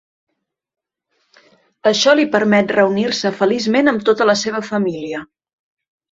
Això li permet reunir-se feliçment amb tota la seva família.